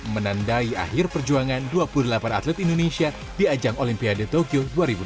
menandai akhir perjuangan dua puluh delapan atlet indonesia di ajang olimpiade tokyo dua ribu dua puluh